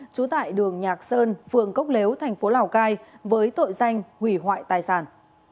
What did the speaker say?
trú tại đường nhạc sơn phường cốc léo tp hcm với tội danh hủy hoại tài sản